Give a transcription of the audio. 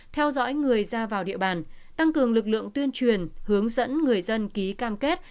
theo dõi người ra vào địa bàn tăng cường lực lượng tuyên truyền hướng dẫn người dân ký cam kết